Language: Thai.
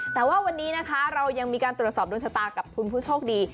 แต่ว่าวันนี้นะคะเรายังมีการตรวจสอบดวงชะตากับคุณผู้โชคดี